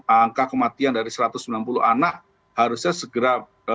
angka kematian dari satu ratus sembilan puluh anak harusnya segera